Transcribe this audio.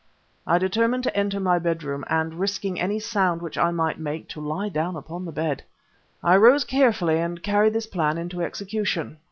I determined to enter my bedroom, and, risking any sound which I might make, to lie down upon the bed. I rose carefully and carried this plan into execution.